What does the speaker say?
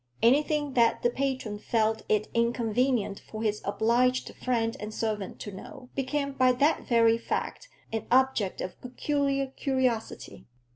Anything that the patron felt it inconvenient for his obliged friend and servant to know, became by that very fact an object of peculiar curiosity.